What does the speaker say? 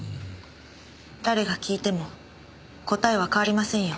誰が聞いても答えは変わりませんよ。